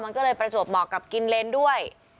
มันก็เลยประจวบเหมาะกับกินเลนด้วย